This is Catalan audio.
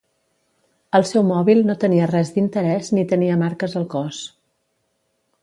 El seu mòbil no tenia res d'interès ni tenia marques al cos.